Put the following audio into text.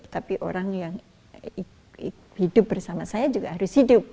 tapi orang yang hidup bersama saya juga harus hidup